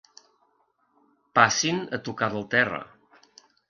Passin a tocar del terra.